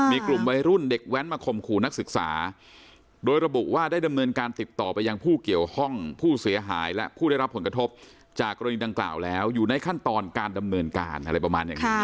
มีกลุ่มวัยรุ่นเด็กแว้นมาข่มขู่นักศึกษาโดยระบุว่าได้ดำเนินการติดต่อไปยังผู้เกี่ยวข้องผู้เสียหายและผู้ได้รับผลกระทบจากกรณีดังกล่าวแล้วอยู่ในขั้นตอนการดำเนินการอะไรประมาณอย่างนี้